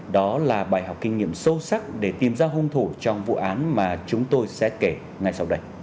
đó là bài học kinh nghiệm sâu sắc để tìm ra hung thủ trong vụ án mà chúng tôi sẽ kể ngay sau đây